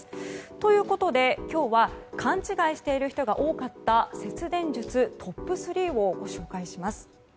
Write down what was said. ということで今日は勘違いしている人が多かった節電術トップ３をご紹介します。